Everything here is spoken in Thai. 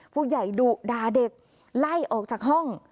ผู้ใหญ่ดุด่าเด็กไล่ออกจากห้อง